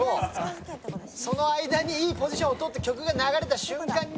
その間にいいポジションをとって曲が流れた瞬間に。